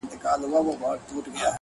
• ړوند سړی په یوه ښار کي اوسېدلی ,